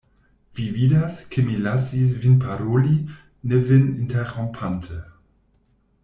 Vi vidas, ke mi lasis vin paroli, ne vin interrompante.